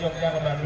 you see new hangga